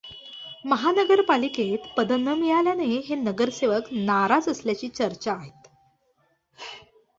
महापालिकेत पदं न मिळाल्याने हे नगरसेवक नाराज असल्याची चर्चा आहे. त्